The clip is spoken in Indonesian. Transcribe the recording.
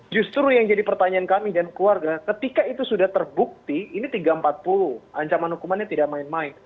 justru yang jadi pertanyaan kami dan keluarga ketika itu sudah terbukti ini tiga ratus empat puluh ancaman hukumannya tidak main main